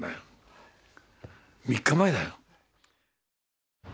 ３日前だよ？